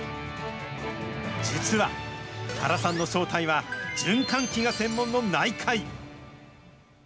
実は、原さんの正体は、循環器が専門の内科医。